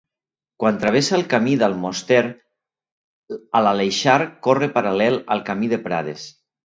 Quan travessa el camí d'Almoster a l'Aleixar corre paral·lel al camí de Prades.